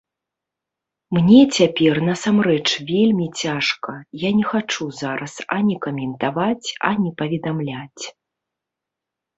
Мне цяпер насамрэч вельмі цяжка, я не хачу зараз ані каментаваць, ані паведамляць.